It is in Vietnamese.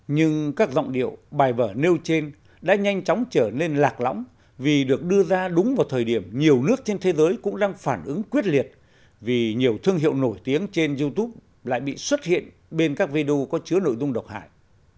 nhưng các giọng điệu bài vở nêu trên đã nhanh chóng trở nên lạc lõng vì được đưa ra đúng vào thời điểm nhiều nước trên thế giới cũng đang phản ứng quyết liệt vì nhiều thương hiệu nổi tiếng trên youtube lại bị xuất hiện bên các video có chứa nội dung độc hại